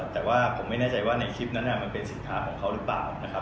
แต่ว่าผมไม่แน่ใจว่าในคลิปนั้นมันเป็นสินค้าของเขาหรือเปล่านะครับ